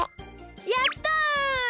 やった！